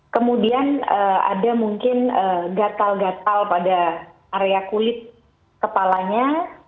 kemudian ada mungkin gatal gatal pada area kulit kepalanya